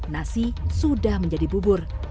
nasi sudah menjadi bubur